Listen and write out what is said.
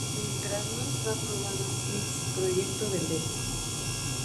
Mientras no está aprobada es un proyecto de ley.